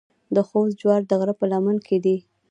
د خوست جوار د غره په لمن کې دي.